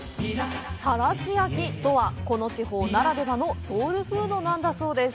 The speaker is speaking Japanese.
たらし焼きとは、この地方ならではのソウルフードなんだそうです。